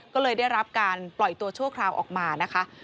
ก็เลยได้รับการปล่อยตัวชั่วคราวออกมานะคะ